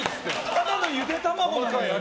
ただのゆで卵なのに。